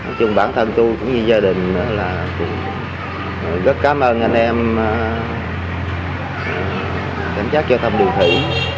nói chung bản thân tôi cũng như gia đình rất cám ơn anh em cảnh sát giao thông đường thủy